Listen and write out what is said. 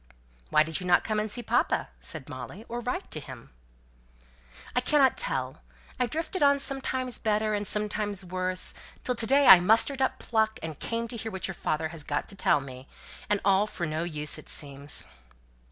"Why did you not come and see papa?" said Molly; "or write to him?" "I cannot tell. I drifted on, sometimes better, and sometimes worse, till to day I mustered up pluck, and came to hear what your father has got to tell me: and all for no use it seems."